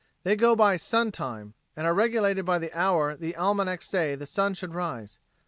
They go by "sun time" and are regulated by the hour the almanacs say the sun should rise.